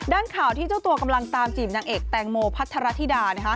ข่าวที่เจ้าตัวกำลังตามจีบนางเอกแตงโมพัทรธิดา